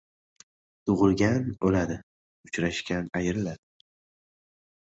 • Tug‘ilgan — o‘ladi, uchrashgan — ayriladi.